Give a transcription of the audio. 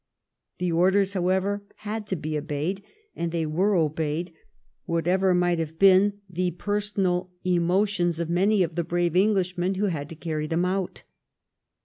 The orders, however, had to be obeyed, and they were obeyed, whatever might have been the personal emotions of many of the brave Englishmen who had to carry them out.